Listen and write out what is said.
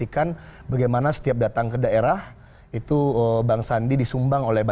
kan sudah jelas perkumpulan golf